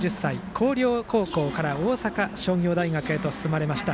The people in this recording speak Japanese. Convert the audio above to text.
広陵高校から大阪商業大学へ進まれました。